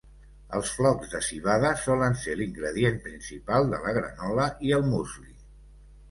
Els flocs de civada solen ser l'ingredient principal de la granola i el musli.